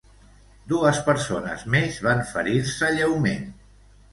Dues persones més van ferir-se lleument.